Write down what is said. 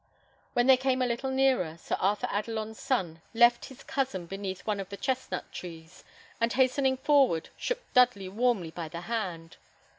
When they came a little nearer, Sir Arthur Adelon's son left his cousin beneath one of the chestnut trees, and hastening forward, shook Dudley warmly by the hand.